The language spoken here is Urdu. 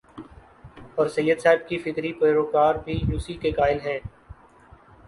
اورسید صاحب کے فکری پیرو کار بھی اسی کے قائل ہیں۔